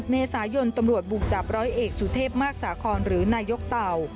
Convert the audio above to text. เมษายนตำรวจบุกจับร้อยเอกสุเทพมากสาคอนหรือนายกเต่า